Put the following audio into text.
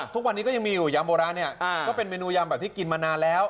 ทุกวันนี้ก็ยังมีอยู่ยำโบราณเนี่ยก็เป็นเมนูยำแบบที่กินมานานแล้ว